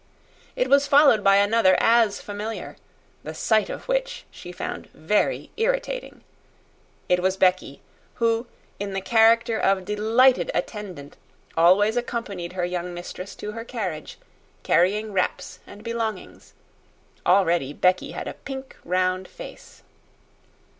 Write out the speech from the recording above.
It was followed by another as familiar the sight of which she found very irritating. It was Becky, who, in the character of delighted attendant, always accompanied her young mistress to her carriage, carrying wraps and belongings. Already Becky had a pink, round face.